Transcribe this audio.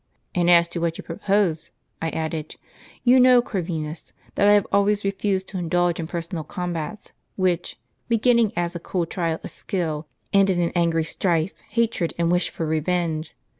'And as to what you propose,' I added, 'you know, Corvinus, that I have always refused to indulge in j^ersonal combats, which, beginning in a cool trial of skill, end in an angry strife, hatred, and wish for revenge.